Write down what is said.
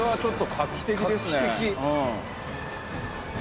画期的。